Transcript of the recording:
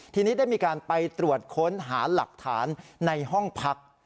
ทีนี้ได้มีการไปตรวจค้นหาหลักฐานในห้องพัก